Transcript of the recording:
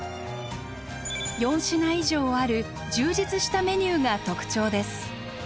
４品以上ある充実したメニューが特徴です。